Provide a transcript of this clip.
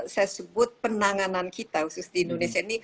saya sebut penanganan kita khusus di indonesia ini